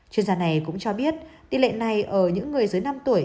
chuyên gia này cũng cho biết tỷ lệ này ở những người dưới năm tuổi